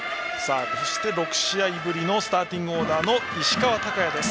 そして６試合ぶりのスターティングオーダー石川昂弥。